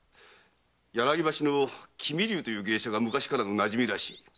柳橋の“君竜”という芸者が昔からのなじみらしい。